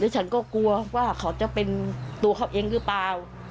ฉันก็กลัวว่าเขาจะเป็นตัวเขาเองหรือเปล่า